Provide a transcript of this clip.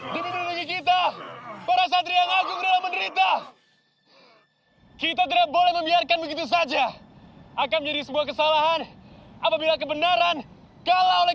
kita tidak boleh membiarkan begitu saja akan menjadi kesalahan apabila kebenaran kalau oleh